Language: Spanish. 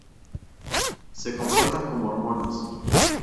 Se comportan como hormonas.